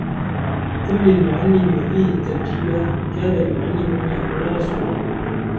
قُـمْ للمعلّمِ وَفِّـهِ التبجيـلا ، كـادَ المعلّمُ أن يكونَ رسولاً.